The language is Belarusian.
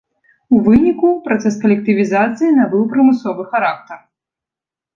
У выніку, працэс калектывізацыі набыў прымусовы характар.